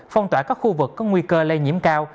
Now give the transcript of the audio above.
phong tỏa các khu vực có nguy cơ lây nhiễm cao